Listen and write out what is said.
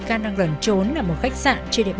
cho nên rất là đau khổ